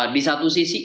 di satu sisi